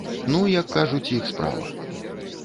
Ну, як кажуць, іх справа.